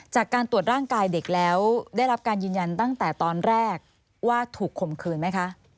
จากการตรวจร่างกายเด็กแล้วได้รับการยืนยันตั้งแต่ตอนแรกว่าถูกข่มขืนไหมคะ